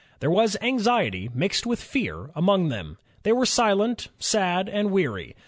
There was anxiety mixed with fear among them. They were silent, sad, and weary.